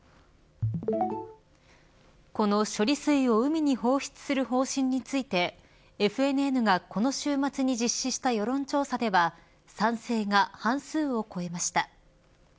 この処理水を海に放出する方針についてＦＮＮがこの週末に実施した世論調査では賛成が半数を超えました。